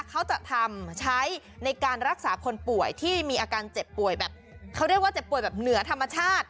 เขาจะทำใช้ในการรักษาคนป่วยที่มีอาการเจ็บป่วยแบบเขาเรียกว่าเจ็บป่วยแบบเหนือธรรมชาติ